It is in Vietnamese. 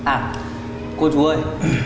à cô chú ơi